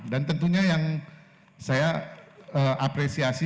dan tentunya yang saya apresiasi